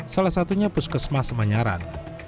salah satunya puskesmas manyaran